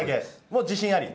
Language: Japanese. もう自信あり？